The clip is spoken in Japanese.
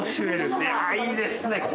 いいですね。